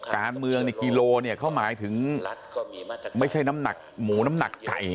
การเมืองกิโลก็หมายถึงไม่ใช่เงาอย่างนะ